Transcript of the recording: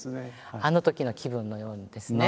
あのときの気分のようにですね。